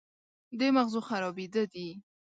د مغزو خرابېده دي